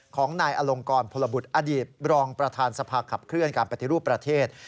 ของนายอลงกรพลบุตรอดีตรองประธานสภาขับเคลื่อนการปฏิรูปประเทศ